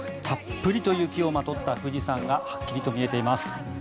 たっぷりと雪をまとった富士山がはっきりと見えています。